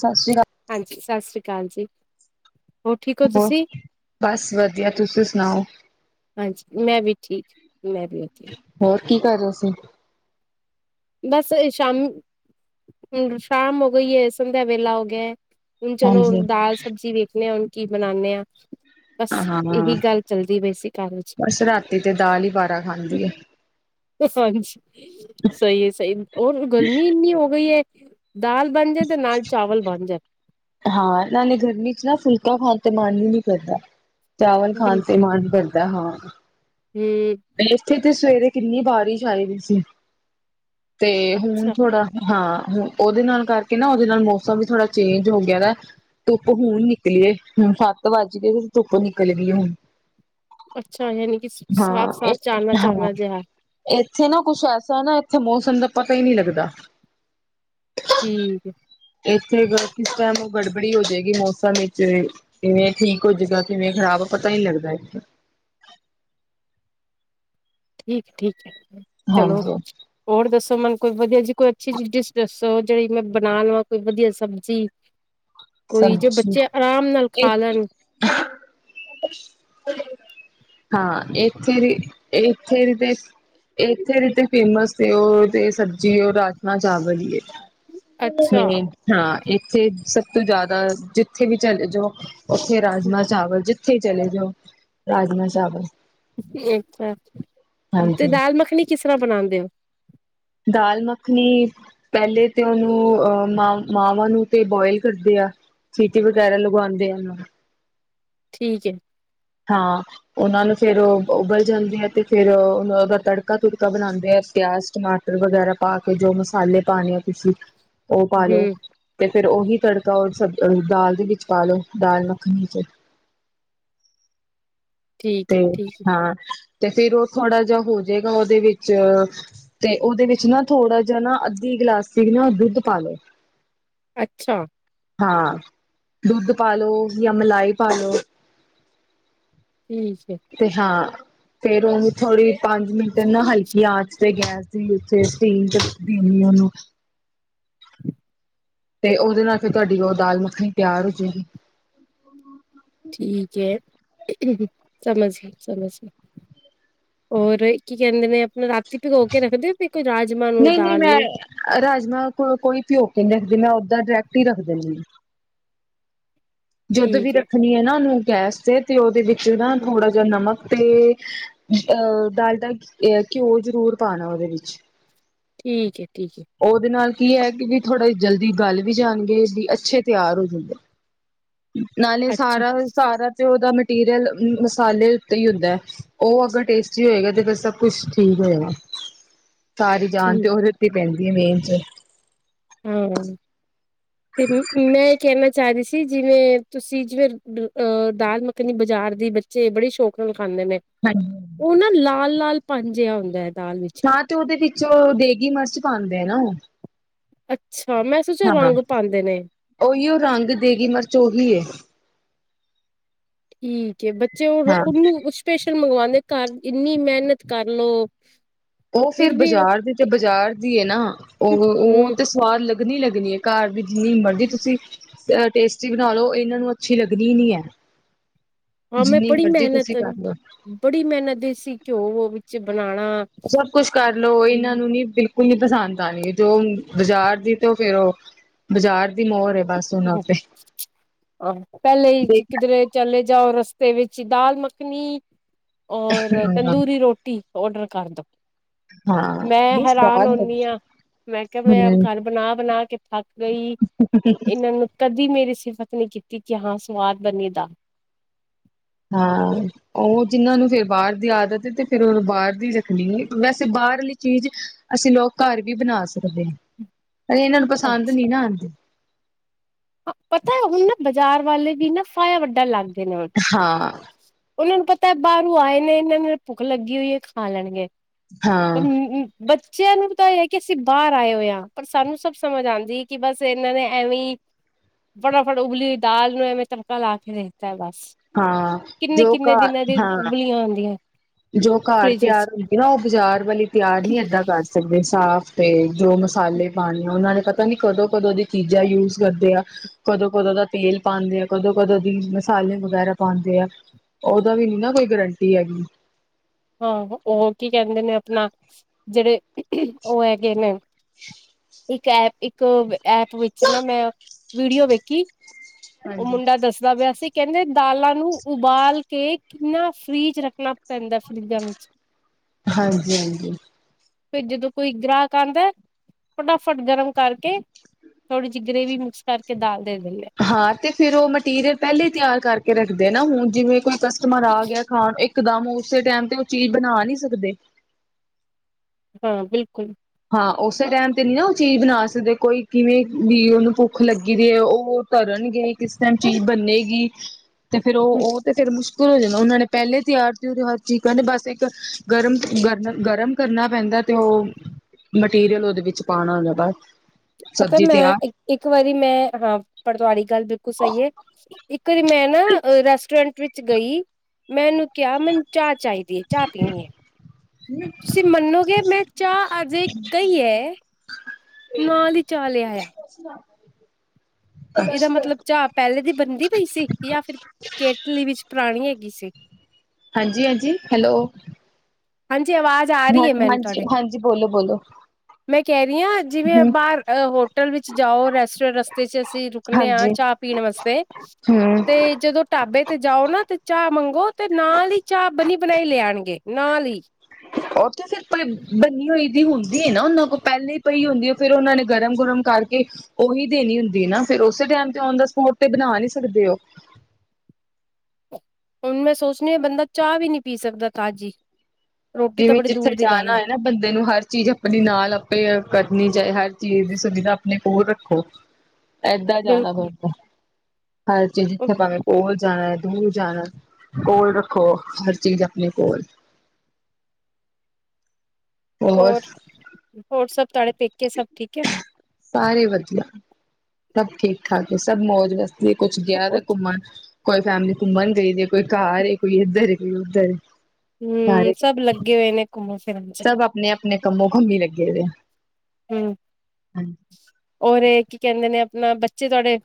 ਸਤਿ ਸ਼੍ਰੀ ਅਕਾਲ ਹਾਂਜੀ, ਸਸ ਸ੍ਰੀ ਕਾਲ ਜੀ। ਹੋਰ ਠੀਕ ਹੋ ਹੋਰ, ਤੁਸੀਂ ਬਸ ਵਧੀਆ ਤੁਸੀ ਸੁਨਾਓ? ਹਾਂਜੀ ਮੈਂ [inaudible] ਮੈਂ ਵੀ ਓਕੇ। ਕੀ ਕਰ ਰੇ ਸੀ? ਬਸ ਅ ਸ਼ਾਮੀ ਸ਼ਾਮ ਹੋ ਗਈ ਏ, ਸੰਧਿਆ ਵੇਲਾ ਹੋ ਗਿਐ। ਹੁਨ ਚਲੋ, ਹਾਂਜੀ ਦਾਲ ਸਬਜ਼ੀ ਵੇਖਨੇ ਆਂ ਹੁਨ। ਕੀ ਬਨਾਨੇ ਆ ਬਸ ਹਾਂ, ਇਹੀ ਗੱਲ ਚੱਲਦੀ ਪਈ ਸੀ ਘਰ ਵਿੱਚ ਬਸ ਰਾਤੀ ਤੇ ਦਾਲ ਈ ਬਾਰਾ ਖਾਂਦੀ ਏ [unintelligible] ਸਹੀ ਏ ਸਹੀ ਰ ਔਰ ਗਰਮੀ ਇੰਨੀ ਹੋ ਗਈ ਏ ਦਾਲ ਬਨ ਜਾਏ ਤੇ ਨਾਲ ਚਾਵਲ ਬਾਨ ਜਾਨ ਹਾਂ ਨਾਲੇ ਗਰਮੀ ਚ ਨਾ ਫੁਲਕਾ ਖਾਨ ਤੇ ਮਨ ਈ ਨੀ ਕਰਦਾ ਚਾਵਲ ਬਿਲ ਖਾਨ ਤੇ ਮਾਂਨ ਬਲ ਦਾ ਹਾਂ ਹਮ ਬੇਸਤੀ ਤੇ ਸਵੇਰੇ ਕਿੰਨੀ ਬਾਰਿਸ਼ ਆਈ ਦੀ ਸੀ ਤੇ ਹੁਨ ਅੱਛਾ ਥੋੜਾ ਹਾਂ ਹੁ ਉਹਦੇ ਨਾਲ ਕਰਕੇ ਨਾ ਉਹਦੇ ਨਾਲ ਮੌਸਮ ਵੀ ਥੋੜਾ ਚੇਂਜ ਹੋ ਗਿਆ ਦੇ, ਧੁੱਪ ਹੁਨ ਨਿਕਲੀ ਏ, ਹੁਨ ਸੱਤ ਵੱਜ ਕੇ ਤੇ ਧੁੱਪ ਨਿਕਲ ਗਈ ਏ ਹੁਨ ਅੱਛਾ ਯਾਨੀ ਕਿ ਸਾਫ਼ ਸਾਫ਼ ਚਾਨਣਾ ਹਾਂ ਚਾਨਣਾ ਜਿਹਾ ਏਥੇ ਨਾ ਕੁਛ ਐਸਾ ਨਾ ਇੱਥੇ ਮੌਸਮ ਦਾ ਪਤਾ ਈ ਨੀ ਲੱਗਦਾ ਠੀਕ ਹੈ ਇੱਥੇ ਕਿਸ ਟਾਈਮ ਉਹ ਗੜਬੜੀ ਹੋ ਜਾਏਗੀ ਮੌਸਮ ਵਿੱਚ ਕਿਵੇਂ ਠੀਕ ਹੋਜਏਗਾ ਕਿਵੇਂ ਖ਼ਰਾਬ ਪਤਾ ਨਹੀਂ ਲੱਗਦਾ ਇੱਥੇ ਠੀਕ ਠੀਕ ਹੈ ਚਲੋ ਹਾਂਜੀ ਹੋਰ ਦੱਸੋ ਮਨ ਕੋਈ ਵਧੀਆ ਜੀ ਕੋਈ ਅੱਛੀ ਡਿਸ਼ ਦੱਸੋ ਜਿਹੜੀ ਮੈਂ ਬਣਾ ਲਵਾਂ ਕੋਈ ਵਧੀਆ ਸਬਜ਼ੀ ਕੋਈ ਜੋ ਸਬਜ਼ੀ ਬੱਚੇ ਆਰਾਮ ਨਾਲ ਖਾ ਲੈਣ ਹਾਂ ਇਥੇ ਦੀ ਇਥੇ ਦੀ ਤੇ ਇੱਥੇ ਦੀ ਤੇ ਫੇਮਸ ਸੀ ਉਹ ਤੇ ਸਬਜ਼ੀ ਉਹ ਰਾਜਨਾ ਚਾਵਲ ਹੀ ਹੈ ਅੱਛਾ ਮੈਂ ਹਾਂ ਇੱਕ ਤੇ ਸ ਤੋਂ ਜ਼ਿਆਦਾ ਜਿੱਥੇ ਵੀ ਚਲੇ ਜੋ ਉੱਥੇ ਰਾਜਮਾ ਚਾਵਲ ਜਿੱਥੇ ਥੇ ਚਲੇ ਜਾਓ ਰਾਜਮਾ ਚਾਵਲ ਅੱਛਾਾ ਤੇ ਹਾਂਜੀ ਦਾਲ ਮੱਖਣੀ ਕਿਸ ਤਰ੍ਹਾਂ ਬਣਾਉਦੇ ਹੋ ਦਾਲ ਮੱਖਣੀ ਪਹਿਲੇ ਤੇ ਉਹਨੂੰ ਅਹ, ਮਾਵਾਂ ਨੂੰ ਤੇ ਬੋਇਲ ਕਰਦੇ ਆ ਸਿਟੀ ਵਗੈਰਾ ਲਗਵਾਉਂਦੇ ਆ ਠੀਕ ਹੈ ਹਾਂ ਉਹਨਾਂ ਨੂੰ ਫੇਿਰ ਉਬਲ ਜਾਂਦੇ ਹੈ ਤੇ ਫਿਰ ਉਹ ਉਹਦਾ ਤੜਕਾ ਤੜਕਾ ਬਣਾਉਂਦੇ ਆ ਪਿਆਜ ਟਮਾਟਰ ਵਗੈਰਾ ਪਾ ਕੇ ਜੋ ਮਸਾਲੇ ਪਾਉਣੇ ਆ ਤੁਸੀਂ ਉਹ ਪਾਾਲੋ ਹਮ ਤੇ ਫਿਰ ਉਹੀ ਤੜਕਾ ਸ ਦਾਲ ਦੇ ਵਿੱਚ ਪਾ ਲਓ ਦਾਲ ਮੱਖਣੀ ਫਿਰ ਠੀਕ ਤੇ ਹੈ ਠੀਕ ਹੈ ਹਾਂ ਤੇ ਫੇਰ ਉਹ ਥੋੜਾ ਜਿਹਾ ਹੋ ਜਾਏਗਾ ਉਹਦੇ ਵਿੱਚ ਤੇ ਉਹਦੇ ਵਿੱਚ ਨਾ ਥੋੜ੍ਹਾ ਜਿਹਾ ਨਾ ਅੱਧੀ ਗਲਾਸੀ ਨਾ ਦੁੱਧ ਪਾ ਲੋ, ਅੱਛਾ! ਹਾਂ ਦੁੱਧ ਪਾ ਲਓ ਜਾਂ ਮਲਾਈ ਪਾ ਲੋ, ਠੀਕ ਹੈ ਤੇ ਹਾਂ। ਫੇਰ ਉਹਨ ਥੋੜ੍ਹੀ ਪੰਜ ਮਿੰਟ, ਨਾ ਹਲਕੀ ਆਚ ਤੇ ਗੈਸ। ਉੱਥੇ ਸੇਕ ਦੇਣੀ ਉਹਨੂੰ ਤੇ ਉਹਦੇ ਨਾਲ ਫਿਰ ਤੁਹਾਡੀ ਉਹ ਦਾਲ ਮੱਖਣੀ ਤਿਆਰ ਹੋ ਜਾਏਗੀ। ਠੀਕ ਹੈ, ਸਮਝਗੀ ਸਮਝਗੀ ਹੋਰ ਕੀ ਕਹਿੰਦੇ ਨੇ ਆਪਣਾ ਰਾਤੀ ਭਿਗੋ ਕੇ ਰੱਖਦੇ ਹੋ। ਕੋਈ ਰਾਜਮਾਂ ਨੂੰ ਨਹੀਂ- ਨਹੀਂ ਦਾਲ ਮੈਂ ਨੂੰ ਰਾਜਮਾਂ ਕੋ ਕੋਈ ਭਿਓ ਕੇ ਨਹੀਂ ਰੱਖਦੀ ਮੈਂ ਸਿੱਧਾ ਡਾਇਰੈਕਟ ਹੀ ਰੱਖ ਦਿੰਦੇ ਆ। ਜੁਧ ਵੀ ਰੱਖਣੀ ਹੈ ਨਾ ਉਹਨੂੰ, ਗੈਸ ਤੇ ਤੇ ਉਹਦੇ ਵਿੱਚ, ਵਿੱਚ ਨਾ ਥੋੜਾ ਜਿਹਾ ਨਮਕ, ਤੇ ਅਹ ਢਾਲਢਾ ਘਿਓ ਜ਼ਰੂਰ ਪਾਣਾ ਉਹਦੇ ਵਿੱਚ, ਠੀਕ ਏ, ਠੀਕ ਏ। ਉਹਦੇ ਨਾਲ ਕੀ ਹੈ ਕਿ ਵੀ ਥੋੜ੍ਹਾ ਜਲਦੀ ਗੱਲ ਵੀ ਜਾਣਦੀ ਸੀ ਵੀ ਅੱਛੇ ਤਿਆਰ ਹੋ ਜਾਈਏ। ਨਾਲੇ ਅੱਛਾ ਸਾਰਾ- ਮਟੀਰੀਅਲ ਮਸਾਲੇ ਉੱਤੇ ਹੀ ਹੁੰਦਾ ਉਹ ਅਗਰ ਟੇਸਟੀ ਹੋਏਗਾ ਤੇ ਫਿਰ ਸਭ ਕੁਛ ਠੀਕ ਹੋਏਗਾ। ਸਾਰੀ ਜਾਨ ਠੀਕ ਤੇ ਉਹਦੇ ਤੇ ਪੈਂਦੀ ਐ ਮੇਨ ਚ। ਹਮ। ਤੇ ਮੈ ਕਹਿਣਾ, ਚ ਰਹੀ ਸੀ। ਕਿ ਜਿਵੇਂ ਤੁਸੀਂ ਜਿਵੇਂ ਅਹ ਦਾਲ ਮੱਖਣੀ ਬਾਜ਼ਾਰ ਦੀ ਬੱਚੇ ਬੜੇ ਸ਼ੌਕ ਨਾਲ ਖਾਂਦੇ ਨੇ ਹਾਂਜੀ। ਉਹ ਨਾ ਲਾ ਹੱਲ -ਲਾਲ ਪੰਜ ਜਿਹਾ ਹੁੰਦਾ। ਦਾਲ ਵਿੱਚ ਤਾ ਤੇ ਓਦੇ ਵਿੱਚ ਦੇਗੀ ਮਿਰਚ ਪਾਦੇ। ਦੇਣਾ ਹੂ ਅੱਛਾ! [unintelligible] ਸੋਚਿਆ ਹਾ, ਰੰਗ ਪਾਉਂਦੇ ਨੇ ਓਇਓ ਰੰਗ ਦੇਗੀ ਮਿਰਚ ਉਹੀ ਏ। ਠੀਕ ਏ ਬੱਚੇ। ਜੋ ਹਾਂ। ਉਹ ਨੂੰ ਉਸ ਤਿਸ। ਮੰਗਵਾਉਂਦੇ ਘਰ ਇੰਨੀ ਮਿਹਨਤ ਕਰ ਲੋ, ਉਹ ਫਿਰ ਬਾਜ਼ਾਰ ਦੀ ਤੇ ਬਾਜ਼ਾਰ ਦੀ ਨਾ ਓ ਹਮ ਤੇ ਸੁਆਦ ਲੱਗਣੀ, ਲੱਗਣੀ, ਹੈ ਘਰ ਦੀ ਜਿੰਨੀ ਮਰਜ਼ੀ ਤੁਸੀਂ ਅ ਟੇਸਟੀ ਬਣਾ ਲਓ, ਇਹਨਾਂ ਨੂੰ ਅੱਛੀ ਲੱਗਣੀ ਨੀ ਹੈ। ਹਾਂ ਮੈਂ ਜਿੰਨੀ ਬੜੀ ਮਰਜ਼ੀ ਮਿਹਨਤ, ਤੁਸੀਂ ਕਰ ਲਓ। ਬੜੀ ਮਿਹਨਤ, ਦੇਸੀ ਘਿਓ- - ਚ [unintelligible] ਸਭ ਕੁੱਛ ਕਰਲੋ ਇਹਨਾਂ ਨੂੰ ਨਈ ਬਿਲਕੁਲ ਬਿਲਕੁਲ, ਨਈ ਪਸੰਦ ਆਨੀ ਜੋ ਬਾਜ਼ਾਰ ਦੀ ਤੇ ਫੇਰ ਉਹ ਬਾਜ਼ਾਰ ਦੀ ਮੋਹਰ ਏ। ਆਹ, ਪਹਿਲੇ ਕਿਧਰੇ ਚਲੇ ਜਾਓ ਰਸ ਤੇ ਵਿੱਚ ਦਾਲ ਮੱਖਣੀ। ਔਰ ਹਾਂ ਤੰਦੂਰੀ ਰੋਟੀ ਔਡਰ ਕਰਦੋ। ਹਾਂ ਮੈਂ ਨਹੀਂ ਹੈਰਾਨ ਸਵਾਦ ਹੁਣੀ ਹਾਂ, ਮੈਂ ਕਿਹਾ ਮੈਂ ਹਮ ਘਰ ਬਣਾ-ਬਣਾ ਕੇ ਥੱਕ ਗਈ ਇਹਨਾਂ ਨੂੰ ਕਦ ਹੂ, ਕੀਤੀ ਕਿ ਹਾਂ ਸਵਾਦ ਬਨੀ ਦਾ ਹਾਂ ਉਹ ਜਿਹਨਾਂ ਨੂੰ ਫਿਰ ਬਾਹਰ ਦੀ ਆਦਤ ਏ ਤ ਓ ਫਿਰਉਨ੍ਹਾਂ ਬਾਹਰ ਦੀ ਰੱਖਣੀ ਵੈਸੇ ਬਾਹਰਲੀ ਚੀਜ਼ ਅਸੀਂ ਲੋਕ ਘਰ ਵੀ ਬਣਾ ਸਕਦੇਹਾ। ਪਰ ਇਹਨਾਂ ਨੂੰ ਪਸੰਦ ਨਹੀਂ ਨਾ ਆਉਂਦੀ। ਪਤਾ ਹੁਣ ਨਾ ਬਾਜ਼ਾਰ ਵਾਲੇ ਵੀ ਨਾ ਫਾਇਆ ਵੱਡਣ ਲੱਗ ਗਏ ਨੇ ਹੁਣ ਹਾਂ। ਉਹਨਾਂ ਨੂੰ ਪਤਾ ਬਾਹਰੋਂ ਆਏ ਨੇ ਇਹਨਾਂ ਨੂੰ ਭੁੱਖ ਲੱਗੀ ਹੋਈ ਹੈ ਖਾ ਲੈਣਗੇ। ਹਾਂ ਬੱਚੇ ਬੱਚਿਆਂ ਨੂੰ ਇਹ ਹੈ ਕਿ ਅਸੀਂ ਬਾਹਰ ਆਏ ਹੋਏ ਹਾਂ ਪਰ ਸਾਨੂੰ ਸਭ ਸਮਝ ਆਉਂਦੀ ਕਿ ਬਸ ਇਹਨਾਂ ਨੇ ਐਵੇਂ ਫਟਾਫਟ ਉਬਲੀ ਹੋਈ ਦਾਲ ਨੂੰ ਐਵੇਂ ਤੜਕਾ ਲਾ ਕੇ ਦੇ ਬਸ ਹਾਂ ਜੋ ਕਿੰਨੇ-ਕਿੰਨੇ ਘਰ ਦਿਨਾਂ ਦੀ ਹਾਂ ਉਬਲੀਆਂ ਹੁੰਦੀਆਂ। ਜੋ ਘਰ ਫਰਿਜ ਵਿੱਚ ਤਿਆਰ ਹੁੰਦੀ ਨਾ ਉਹ ਬਾਜ਼ਾਰ ਵਾਲੀ ਤਿਆਰ ਨਹੀਂ ਏਦਾਂ ਕਰ ਸਕਦੇ ਸਾਫ਼ ਤੇ ਜੋ ਮਸਾਲੇ ਪਾਣੇ ਉਹਨਾਂ ਨੇ ਪਤਾ ਨੀ ਕਦੋਂ-ਕਦੋਂ ਦੀ ਚੀਜ਼ਾਂ ਯੂਜ ਕਰਦੇ ਆ, ਕਦੋਂ-ਕਦੋਂ ਦਾ ਤੇਲ ਪਾਉਂਦੇ, ਕਦੋਂ-ਕਦੋਂ ਦੀ ਮਸਾਲੇ ਵਗੈਰਾ ਪਾਉਂਦੇ ਆ, ਉਹਦਾ ਵੀ ਨੀ ਨਾ ਕੋਈ ਗਰੰਟੀ ਹੈਗੀ। ਹਾਂ ਉਹ ਕੀ ਕਹਿੰਦੇ ਨੇ ਆਪਣਾ ਜਿਹੜੇ ਉਹ ਹੈਗੇ ਨੇ ਇੱਕ ਐ ਇੱਕ ਐਪ ਵਿੱਚ ਨਾ ਮੈਂ ਵੀਡੀਓ ਵੇਖੀ ਉਹ ਹਾਂਜੀ। ਮੁੰਡਾ ਦੱਸਦਾ ਪਿਆ ਸੀ ਕਹਿੰਦੇ ਦਾਲਾਂ ਨੂੰ ਉਬਾਲ ਕੇ ਕਿੰਨਾ ਫ੍ਰੀਜ਼ ਰੱਖਣਾ ਪੈਂਦਾ ਫਰਿਜਾਂ ਵਿੱਚ ਹਾਂਜੀ-ਹਾਂਜੀ। ਫਿਰ ਜਦੋਂ ਕੋਈ ਗ੍ਰਾਹਕ ਆਉਂਦਾ ਫਟਾਫਟ ਗਰਮ ਕਰਕੇ ਥੋੜ੍ਹੀ ਜਿਹੀ ਗਰੇੇਵੀ ਮਿਕਸ ਕਰਕੇ ਦਾਲ ਦੇ ਦਿੰਦੇ ਆ। ਹਾਂ ਤੇ ਫਿਰ ਉਹ ਮਟੀਰੀਅਲ ਪਹਿਲੇ ਹੀ ਤਿਆਰ ਕਰਕੇ ਰੱਖਦੇ ਨਾ ਹੁਣ ਜਿਵੇਂ ਕੋਈ ਕਸਟਮਰ ਆ ਗਿਆ ਖਾਣ ਇੱਕ ਇਕਦਮ ਉਸੇ ਟਾਈਮ ਤੇ ਉਹ ਚੀਜ਼ ਬਣਾ ਨਹੀਂ ਸਕਦੇ। ਹਾਂ ਬਿਲਕੁਲ ਹਾ ਉਸੇ ਟਾਈਮ ਤੇ ਨੀ ਨਾ ਉਹ ਚੀਜ਼ ਬਣਾ ਸਕਦੇ ਕੋਈ ਕਿਵੇਂ ਵੀ ਉਹਨੂੰ ਭੁੱਖ ਲੱਗੀ ਰ ਹੈ ਉਹ ਤਰਨਗੇ ਕਿਸ ਟਾਈਮ ਚੀਜ਼ ਬਨੇਗੀ। ਤੇ ਫੇਰ ਉਹ ਉਹ ਤੇ ਫੇਰ ਮੁਸ਼ਕਿਲ ਹੋ ਜਾਂਦਾ ਉਹਨਾਂ ਨੇ ਪਹਿਲੇ ਤਿਆਰ ਤਰੀ ਹਰ ਚੀਜ਼ ਕਹਿੰਦੇ ਬਸ ਇੱਕ ਗਰਮ ਗਰ ਗਰਮ ਕਰਨਾ ਪੈਂਦਾ ਤੇ ਉਹ- ਮਟੀਰੀਅਲ ਉਹਦੇ ਵਿੱਚ ਪਾਉਣਾ ਬਸ ਪਤਾ ਸਬਜ਼ੀ ਤਿਆਰ ਮੈਂ ਇੱਕ ਵਾਰੀ ਮੈਂ ਹਾਂ ਪਟਤਵਾਲੀ ਗੱਲ ਬਿਲਕੁਲ ਸਹੀ ਹੈ ਇੱਕ ਕਦੀ ਮੈਂ ਨਾ ਰੈਸਟੋਰੈਂਟ ਵਿੱਚ ਗਈ ਮੈਂਨੂੰ ਕਿਹਾ ਮੈਨੂੰ ਚਾਹ ਚਾਹੀਦੀ ਚਾਹ ਪੀਣੀ ਹੈ, ਤੁਸੀਂ ਮੰਨੋਗੇ ਮੈਂ ਚਾਹ ਅਜੇ ਕਈ ਹੈ ਨਾਲ ਦੀ ਚਾਹ ਲੈ ਆਇਆ। ਹੂੰ ਇਹਦਾ ਮਤਲਬ ਚਾਹ ਪਹਿਲੇ ਦੀ ਬਣਦੀ ਪਈ ਸੀ, ਜਾਂ ਫਿਰ ਕੇਟਲੀ ਵਿੱਚ ਪੁਰਾਣੀ ਹੈਗੀ ਸੀ। ਠੀਕ ਹਾਂਜੀ ਹਾਂਜੀ ਹੈਲੋ। ਹਾਂਜੀ ਆਵਾਜ਼ ਆ ਹਾਂ ਰਹੀ ਹੈ ਮੈਨੂੰ ਹਾਂਜੀ ਤੁਹਾਡੇ, ਹਾਂਜੀ ਬੋਲੋ ਬੋਲੋ ਮੈਂ ਕਹਿ ਰਹੀ ਹਾਂ ਜਿਵੇਂ ਹਮ ਬਾਹਰ ਹੋਟਲ ਵਿੱਚ ਜਾਓ ਰੈਸਟੋਰੈਂਟ ਰਸਤੇ ਚ ਅਸੀਂ ਰੁਕਣੇ ਹਾਂ ਹਾਂਜੀ ਚਾਹ ਪੀਣ ਵਾਸਤੇ ਹਮ ਤੇ ਜਦੋਂ ਢਾਬੇ ਤੇ ਜਾਓ ਨਾ ਤੇ ਚਾਹ ਮੰਗੋ ਤੇ ਨਾਲ ਹੀ ਚਾਹ ਬਣੀ ਬਣਾਈ ਲੈ ਆਉਣਗੇ। ਨਾਲ ਹੀ ਉਹਥੇ ਫਿਰ ਕੋਈ ਬੰਨੀ ਹੋਈ ਹੁੰਦੀ ਹੈ ਨਾ ਉਹਨਾਂ ਕੋਲ ਪਹਿਲੇ ਹੀ ਪਈ ਹੁੰਦੀ ਹੈ ਫੇਰ ਉਹਨਾਂ ਨੇ ਗਰਮ- ਗਰਮ ਕਰਕੇ ਉਹੀ ਦੇਣੀ ਹੁੰਦੀ ਹੈ ਨਾ ਫਿਰ ਉਸੇ ਟਾਈਮ ਤੇ ਨ ਦਾ ਸਪੋਟ ਤੇ ਬਣਾ ਨੀ ਸਕਦੇ ਉਹ ਹੁਣ ਮੈਂ ਸੋਚਣੀ ਹ ਬੰਦਾ ਚਾਹ ਵੀ ਨਹੀਂ ਪੀ ਸਕਦਾ ਤਾਜ਼ੀ ਰੋਟੀ ਤਾਂ ਜਿਵੇਂ ਬੜੀ ਜਿੱਥੇ ਦੂਰ ਦੀ ਗੱਲ ਜਾਣਾ ਹੈ ਨਾ ਬੰਦੇ ਨੂੰ ਹਰ ਚੀਜ਼ ਆਪਣੀ ਨਾਲ ਆਪੇ ਕਰਨੀ ਹਰ ਚੀਜ਼ ਦੀ ਸੁਵਿਧਾ ਆਪਣੇ ਹੋਰ ਰੱਖੋ ਏਦਾਂ ਜਾਣਾ ਬਿਲਕੁਲ ਹਊਗਾ ਹਰ ਚੀਜ਼ ਜਿੱਥੇ ਭਾਵੇਂ ਕੋਲ ਜਾਣਾ ਦੂਰ ਜਾਣਾ, ਕੋਲ ਰੱਖੋ, ਹਰ ਚੀਜ਼ ਆਪਣੇ ਕੋਲ। ਹੋਰ, ਹੋਰ ਸਭ ਤੁਹਾਡੇ ਪੇਕੇ ਸਭ ਠੀਕ ਹੈ? ਸਾਰੇ ਵਧੀਆ, ਸਭ ਠੀਕ- ਠਾਕ ਹੈ। ਸਭ ਮੌਜ ਵਸ ਵੀ ਕੁਛ ਗਿਆ ਹਮ ਤਾਂ ਘੁੰਮਣ ਕੋਈ ਫੈਮਿਲੀ ਘੁੰਮਣ ਗਈ, ਕੋਈ ਘਰ ਏ, ਕੋਈ ਇੱਧਰ ਏ, ਕੋਈ ਉੱਧਰ ਏ। ਹਮਮ, ਸਾਰੇ ਸਭ ਲੱਗੇ ਹੋਏ ਨੇ ਘੁੰਮਣ ਫਿਰਨ ਚ ਸਭ ਆਪਣੇ -ਆਪਣੇ ਕੰਮੋ ਖਮੀ ਲੱਗੇ ਦੇ ਆ। ਹਮਮ, ਹੋਰ ਏ ਕੀ ਕਹਿੰਦੇ ਨੇ ਨਾ ਬੱਚੇ ਤੁਹਾਡੇ,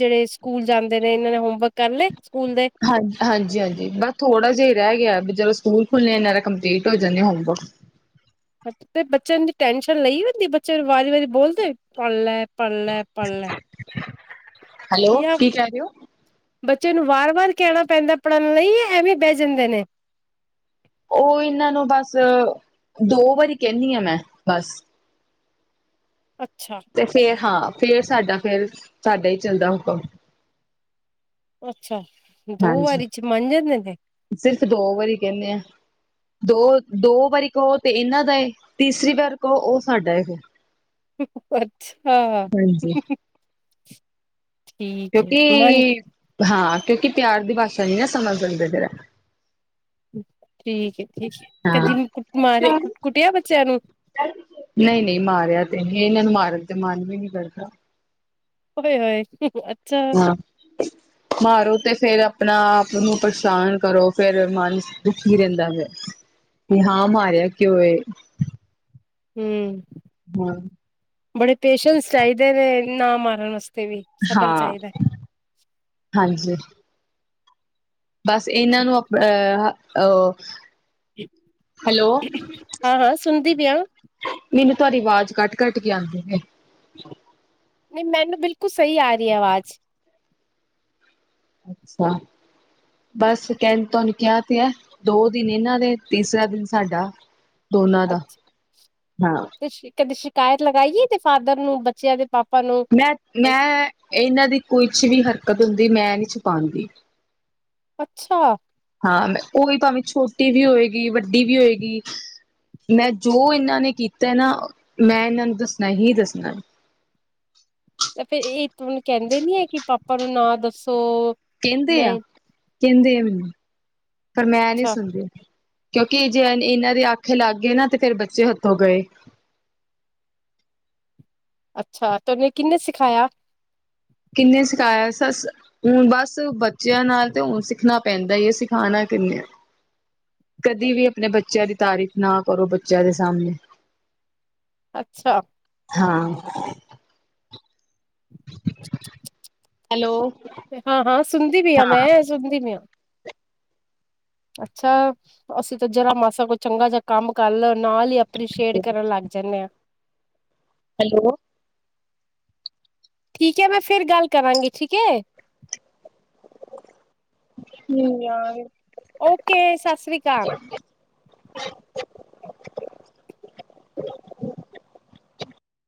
ਜਿਹੜੇ ਸਕੂਲ ਜਾਂਦੇ ਨੇ ਇਹਨਾਂ ਨੇ ਹੋਮ ਹਾਂ, ਹਾਂਜੀ-ਹਾਂਜੀ ਬਸ ਥੋੜਾ ਜਿਹਾ ਰਹਿ ਗਿਆ ਵੀ ਜਦੋਂ ਸਕੂਲ ਖੁਲਨੇ ਇਹਨਾਂ ਦੇ ਕੰਪਲੀਟ ਹੋ ਜਾਨੇ ਹੋਮਵਕ। ਟੈਂਨਸ਼ਨ ਲਈ ਜਾਂਦੀ ਬੱਚੇ ਵਾਰੀ-ਵਾਰੀ ਬੋਲਦੇ ਪੜ੍ਹ ਲੈ। ਪੜ ਲੈ -ਪੜ ਲੈ, ਹੈਲੋ ਯਾ ਕੀ ਕਹਿ ਰਹੇ ਹੋ ਬੱਚੇ ਨੂੰ ਵਾਰ-ਵਾਰ ਕਹਿਣਾ ਪੈਂਦਾ ਪੜ੍ਹਾਨ ਲਈ ਐਵੇਂ ਬਹਿ ਜਾਂਦੇ ਨੇ। ਉਹ ਇਹਨਾਂ ਨੂੰ ਬਸ ਦੋ ਵਾਰੀ ਕਹਿੰਦੀ ਆ ਮੈਂ, ਬਸ। ਅੱਛਾ ਤੇ ਫੇਰ ਹਾਂ। ਫੇਰ ਸਾਡਾ ਫੇਰ, ਸਾਡਾ ਹੀ ਚੱਲਦਾ ਹੁਕਮ। ਅੱਛਾ! ਦੋ ਹਾਂਜੀ ਵਾਰੀ ਚ ਮੰਨ ਜਾਂਦੇ ਨੇ। ਸਿਰਫ ਦੋ ਵਾਰੀ ਕਹਿਨੇ ਆ। ਦੋ-ਦੋ ਵਾਰੀ ਕਹੋ ਤੇ ਇਹਨਾਂ ਦਾ ਤੀਸਰੀ ਵਾਰ ਕਹੋ ਉਹ ਸਾਡਾ ਫੇਰ। [inaudible] ਹਾਂ, ਹ -ਹ -ਹ। [inaudible] ਕਿਉਂਕਿ, ਹਾਂ। ਕਿਉਂਕਿ ਪਿਆਰ ਦੀ ਭਾਸ਼ਾ ਨੀ ਨਾ ਸਮਝ ਦਿੰਦੇ ਫੇਰ ਇਹ। ਠੀਕ ਐ ਠੀਕ ਕਦੀ ਹਾਂ ਕੁ ਮਾਰੇ ਕੁ ਕੁੱਟਿਆ ਬੱਚਿਆਂ ਨੂੰ। ਇਹ ਇਹਨਾਂ ਨੂੰ ਮਾਰਨ ਤੇ ਮਨ ਵੀ ਨੀ ਕਰਦਾ। ਓਏ ਹੋਏ ਅੱ ਹਾਂ ਮਾਰੋ ਤੇ ਫੇਰ ਆਪਣਾ ਆਪ ਨੂੰ ਪਰੇਸ਼ਾਨ ਕਰੋ ਫੇਰ ਮਨ ਦੁਖੀ ਰਹਿੰਦਾ ਹੈ ਕਿ ਹਾਂ ਮਾਰਿਆ ਕਿਉ ਏ? ਹੂੰ, ਹੋਰ ਬੜੇ ਪੇਸ਼ੈਂਸ ਚਾਹੀਦੇ ਨੇ ਨਾ ਮਾਰਨ ਆ ਹਾਂ, ਹਾਂਜੀ। ਬਸ ਇਹਨਾਂ ਨੂੰ ਆਪ ਅ ਹ ਆ ਹਾਂ-ਹਾਂ ਸੁਣਦੀ ਪਈਆਂ। ਮੈਨੂੰ ਤੁਹਾਡੀ ਆਵਾਜ਼ ਕੱਟ-ਕੱਟ ਕੇ ਆਂਦੀ ਐ। ਨਹੀਂ ਮੈਨੂੰ ਬਿਲਕੁਲ ਸਹੀ ਆ ਰਹੀ ਆਵਾਜ਼। ਅੱਛਾ ਬਸ ਕਹਣ ਤੁਹਾਨੂੰ ਕਿਹਾ ਤੇ ਹੈ ਦੋ ਦਿਨ ਇਹਨਾਂ ਦੇ ਤੀਸਰਾ ਦਿਨ ਸਾਡਾ। ਦੋਨਾਂ ਦਾ ਅੱਛਾ ਹਾਂ ਤੇ ਕਦੇ ਸ਼ਿਕਾਇਤ ਲਗਾਈ ਏ ਤੇ ਫਾਦਰ ਨੂੰ ਬੱਚਿਆਂ ਦੇ ਪਾ ਮੈਂ, ਮੈਂ ਇਹਨਾਂ ਦੀ ਕੁਛ ਵੀ ਹਰ ਦਿੱਕਤ ਹੁੰਦੀ ਮੈਂ ਨੀ ਛੁਪਾਦੀ, ਅੱਛਾ, ਹਾਂ ਮੈਂ ਉਹੀ ਭਾਵੇਂ ਛੋਟੀ ਵੀ ਹੋਏਗੀ ਵੱਡੀ ਵੀ ਹੋਏਗੀ ਮੈਂ ਜੋ ਇਹਨਾਂ ਨੇ ਕੀਤਾ ਨਾ ਮੈਂ ਇਹਨਾਂ ਨੂੰ ਦੱਸਣਾ ਹੀ ਦੱਸਣਾ। ਤੇ ਫੇਰ ਇਕ ਹੁਣ ਕਹਿੰਦੇ ਨੀ ਹੈ ਕਿ ਪਾਪਾ ਨੂੰ ਨਾ ਦੱਸੋ? ਕਹਿੰਦੇ ਮੈਂ ਆ। ਕਹਿੰਦੇ ਆ ਮੈਨੂੰ ਪਰ ਮੈਂ ਨੀ ਸੁਣਦੀ। ਕਿਉਂਕਿ ਜੇ ਇਹਨਾਂ ਦੇ ਆਖੇ ਲੱਗ ਗਏ ਨਾ ਤੇ ਫੇਰ ਬੱਚੇ ਹੱਥੋਂ ਗਏ। ਅੱਛਾ ਤੇ ਉਹਨੇ ਕਿੰਨੇ ਸਿਖਾਇਆ। ਕਿੰਨੇ ਸਿਖਾਇਆ ਸੱਸ ਹੁਣ ਬਸ ਬੱਚਿਆਂ ਨਾਲ ਤਾਂ ਹੁਣ ਸਿੱਖਣਾ ਪੈਂਦਾ ਹੀ ਹੈ ਸਿਖਾਉਣਾ ਕਿੰਨੇ ਐ ਕਦੀ ਵੀ ਆਪਣੇ ਬੱਚਿਆਂ ਦੀ ਤਾਰੀਫ਼ ਨਾ ਕਰੋ ਬੱਚਿਆਂ ਦੇ ਸਾਹਮਣੇ। ਅੱਛਾ, ਹਾਂ। ਹੈਲੋ, ਹਾਂ ਹਾਂ ਸੁਣਦੀ ਪਈ ਆ ਮੈਂ ਸੁਣਦੀ ਪਈ ਆ। ਅੱਛਾ ਅਸੀਂ ਤਾਂ ਜਰਾ ਮਾਸਾ ਕੋਈ ਚੰਗਾ ਜਿਹਾ ਕੰਮ ਕਰ ਲੋ। ਨਾਲ ਹੀ ਅਪ੍ਰਸ਼ੀਏਟ ਕਰਨ ਲੱਗ ਜਾਂਨੇ ਆ। ਹੈਲੋ, ਠੀਕ ਹੈ ਮੈਂ ਫੇਰ ਗੱਲ ਕਰਾਂਗੀ ਠੀਕ ਐ, ਹੂੰ ਆ, ਓਕੇ ਸਤਿ ਸ੍ਰੀ ਕਾਲ